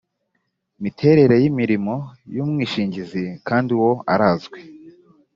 miterere y imirimo y umwishingizi kandi uwo arazwi